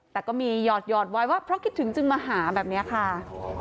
แต่ก็มีหยอดไว้ว่าเพราะคิดถึงจึงมาหาแบบนี้ค่ะ